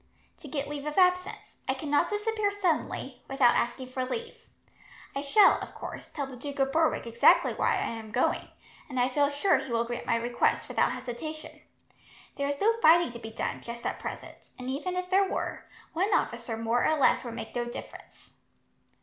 "To get leave of absence. I cannot disappear suddenly, without asking for leave. I shall, of course, tell the Duke of Berwick exactly why I am going, and I feel sure he will grant my request, without hesitation. There is no fighting to be done, just at present, and even if there were, one officer more or less would make no difference.